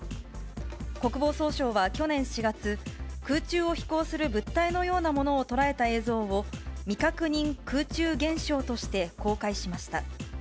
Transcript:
国防総省は去年４月、空中を飛行する物体のようなものを捉えた映像を、未確認空中現象として公開しました。